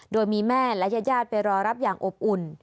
โดยมีแม่และญาติไปรอรับอย่างอบอุ่น